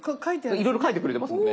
いろいろ書いてくれてますもんね。